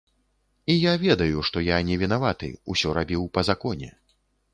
І я ведаю, што я не вінаваты, усё рабіў па законе.